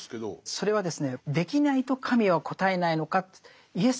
それはですねできないと神は応えないのかと。